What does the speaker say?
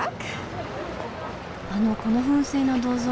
あのこの噴水の銅像